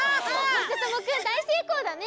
まさともくんだいせいこうだね。